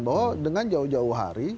bahwa dengan jauh jauh hari